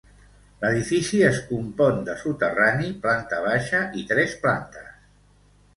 L'edifici es compon de soterrani, planta baixa i tres plantes.